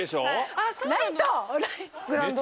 ライト！